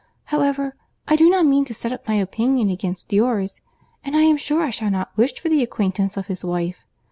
However, I do not mean to set up my opinion against yours—and I am sure I shall not wish for the acquaintance of his wife.